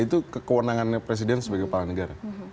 itu diambil oleh presiden sebagai kepala negara